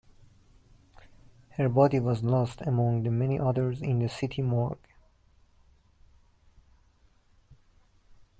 Her body was lost among the many others in the city morgue.